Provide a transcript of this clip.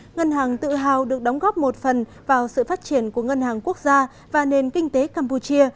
ngân hàng tự hào được đóng góp một phần vào sự phát triển của ngân hàng quốc gia và nền kinh tế campuchia